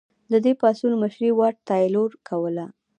د دې پاڅون مشري واټ تایلور کوله.